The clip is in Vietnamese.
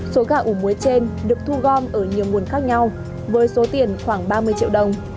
số gà ủ muối trên được thu gom ở nhiều nguồn khác nhau với số tiền khoảng ba mươi triệu đồng